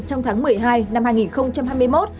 trong tháng một mươi hai năm hai nghìn hai mươi một